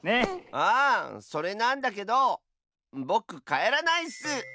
あそれなんだけどぼくかえらないッス！